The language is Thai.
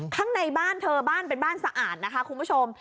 ข้างในบ้านเธอบ้านเป็นบ้านสะอาดนะคะคุณผู้ชม